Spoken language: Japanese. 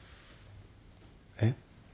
えっ？